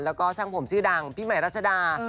แล้วก็ช่างผมชื่อดังพี่ใหม่รัชดา